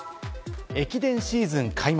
駅伝シーズン開幕。